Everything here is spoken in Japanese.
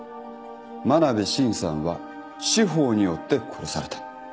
真鍋伸さんは司法によって殺された。